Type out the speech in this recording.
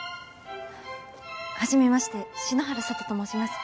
初めまして篠原佐都と申します。